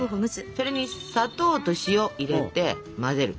それに砂糖と塩入れて混ぜる。